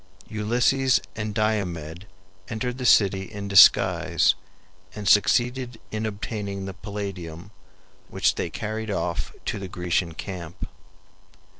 Ulysses and Diomed entered the city in disguise and succeeded in obtaining the Palladium, which they carried off to the Grecian camp.